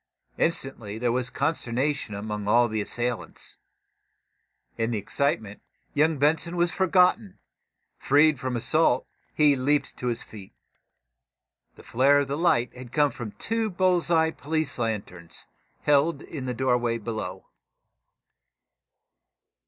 Instantly there was consternation among all the assailants. In the excitement, young Benson was forgotten. Freed from assault, he leaped to his feet. The flare of light had come from two bull's eye police lanterns, held in the open doorway below.